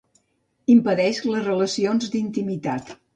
Impedeix les relacions d'intimitat.